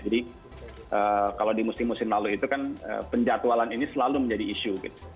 jadi kalau di musim musim lalu itu kan penjatualan ini selalu menjadi isu